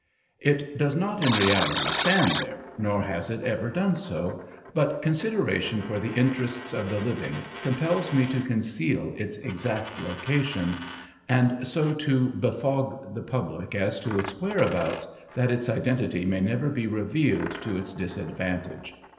It does not in reality stand there, nor has it ever done so, but consideration for the interests of the living compels me to conceal its exact location, and so to befog the public as to its whereabouts that its identity may never be revealed to its disadvantage.